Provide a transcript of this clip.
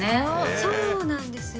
そうなんですよ。